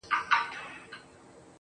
ته له قلف دروازې، یو خروار بار باسه